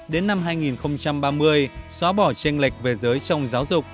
bốn năm đến năm hai nghìn ba mươi xóa bỏ tranh lệch về giới trong giáo dục